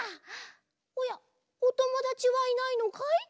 おやおともだちはいないのかい！？